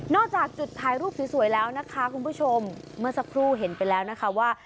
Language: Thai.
จากจุดถ่ายรูปสวยแล้วนะคะคุณผู้ชมเมื่อสักครู่เห็นไปแล้วนะคะว่า